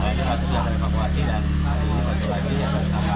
hari ini satu sudah direvakuasi dan hari ini satu lagi yang terkata